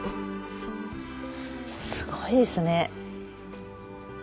すごいですね。